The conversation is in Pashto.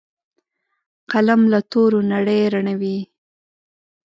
قلم له تورو نړۍ رڼوي